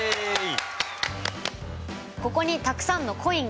ここにたくさんのコインがあります。